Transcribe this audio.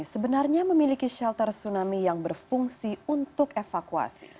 sebenarnya memiliki shelter tsunami yang berfungsi untuk evakuasi